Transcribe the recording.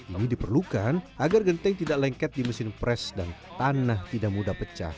ini diperlukan agar genteng tidak lengket di mesin pres dan tanah tidak mudah pecah